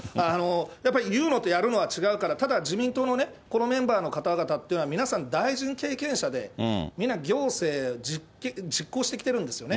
やっぱり言うのとやるのでは違うから、ただ自民党のね、このメンバーの方々っていうのは、皆さん、大臣経験者で、皆、行政実行してきてるんですよね。